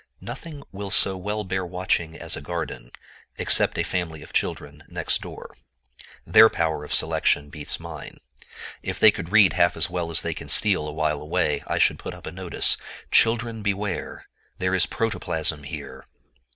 Nothing will so well bear watching as a garden, except a family of children next door. Their power of selection beats mine. If they could read half as well as they can steal awhile away, I should put up a notice, "Children, beware! There is Protoplasm here."